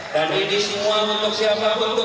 dan ini semua untuk siapapun untuk kita